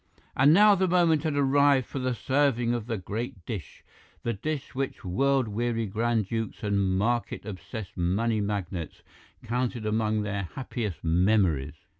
"And now the moment had arrived for the serving of the great dish, the dish which world weary Grand Dukes and market obsessed money magnates counted among their happiest memories.